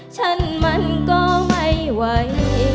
ฉันมันก็ไม่ไหว